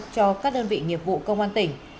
cho các đơn vị nghiệp vụ công an tỉnh